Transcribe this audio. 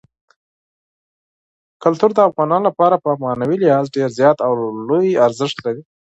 کلتور د افغانانو لپاره په معنوي لحاظ ډېر زیات او لوی ارزښت لري.